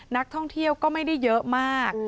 นักท่องเที่ยวก็ไม่ได้เยอะมาก